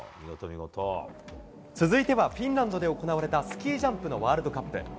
続いてはフィンランドで行われたスキージャンプのワールドカップ。